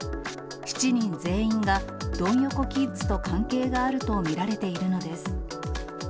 ７人全員がドン横キッズと関係があると見られているのです。